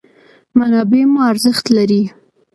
منابع مو ارزښت لري.